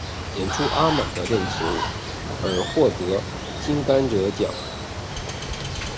演出阿满的恋情而获得金甘蔗影展最佳女主角。